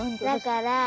だから。